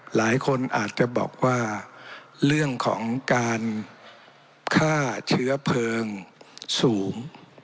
หลายคนอาจจะบอกว่าเรื่องของการฆ่าเชื้อเพลิงสูง